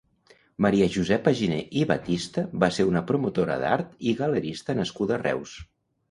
Maria Josepa Giner i Batista va ser una promotora d'art i galerista nascuda a Reus.